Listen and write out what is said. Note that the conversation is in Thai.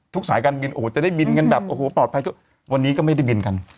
สายการบินโอ้โหจะได้บินกันแบบโอ้โหปลอดภัยทุกวันนี้ก็ไม่ได้บินกัน